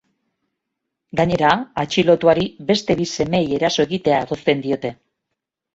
Gainera, atxilotuari beste bi semeei eraso egitea egozten diote.